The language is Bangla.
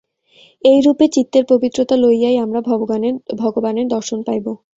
এইরূপে চিত্তের পবিত্রতা লইয়াই আমরা ভগবানের দর্শন পাইব।